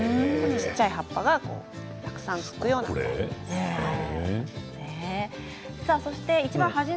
小さい葉っぱがたくさんつくような感じです。